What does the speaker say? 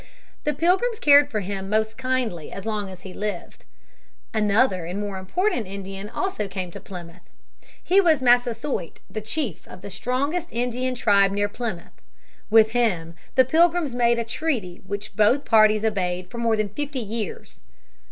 The Pilgrims cared for him most kindly as long as he lived. Another and more important Indian also came to Plymouth. He was Massasoit, chief of the strongest Indian tribe near Plymouth. With him the Pilgrims made a treaty which both parties obeyed for more than fifty years.